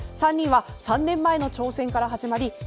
３人は３年前の挑戦から始まり